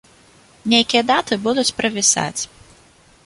Нейкія даты будуць правісаць.